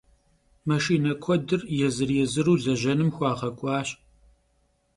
Maşşine kuedır yêzır - yêzıru lejenım xuağek'uaş.